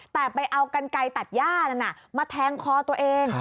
แต่ไปเอากันไกลตัดย่านั้นมาแทงคอตัวเอง